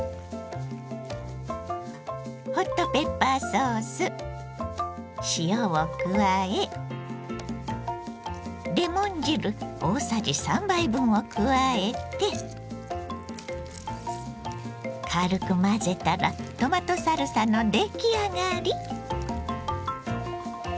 ホットペッパーソース塩を加えレモン汁大さじ３杯分を加えて軽く混ぜたらトマトサルサの出来上がり。